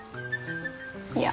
いや。